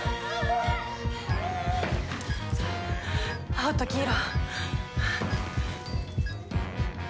青と黄色。